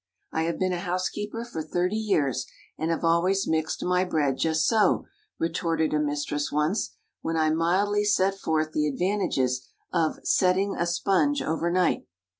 "I have been a housekeeper for thirty years, and have always mixed my bread just so," retorted a mistress once, when I mildly set forth the advantages of "setting a sponge" over night.